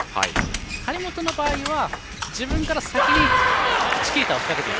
張本の場合は自分から先にチキータを仕掛けていく。